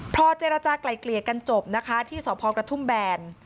พอเจรจากลายเกลี่ยกันจบนะคะที่สพกระทุ่มแบน